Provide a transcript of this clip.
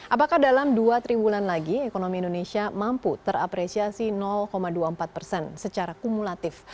apakah dalam dua tiga bulan lagi ekonomi indonesia mampu terapresiasi dua puluh empat persen secara kumulatif